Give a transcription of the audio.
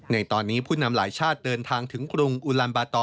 ในตอนนี้ผู้นำหลายชาติเดินทางถึงกรุงอุลันบาตอ